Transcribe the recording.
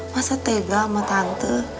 masa tega sama tante